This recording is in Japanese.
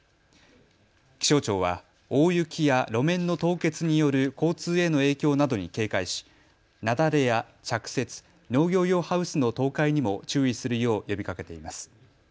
気象庁は大雪や路面の凍結による交通への影響などに警戒し雪崩や着雪、農業用ハウスの倒壊にも注意するよう呼びかけています。